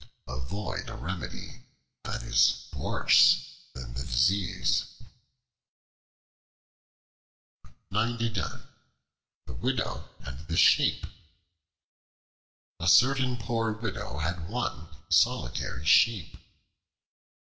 Avoid a remedy that is worse than the disease. The Widow and the Sheep A CERTAIN poor widow had one solitary Sheep.